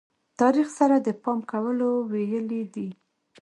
تاریخ سره د پام کولو ویلې دي.